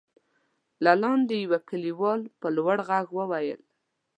له لاندې يوه کليوال په لوړ غږ وويل: